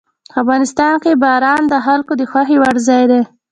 افغانستان کې باران د خلکو د خوښې وړ ځای دی.